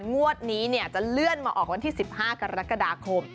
งวดนี้จะเลื่อนมาออกวันที่๑๕กรกฎาคม